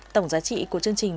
tổng giá trị của chương trình